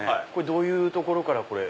どういうところからこれ。